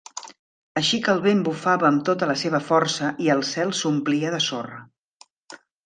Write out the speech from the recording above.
Així que el vent bufava amb tota la seva força i el cel s'omplia de sorra.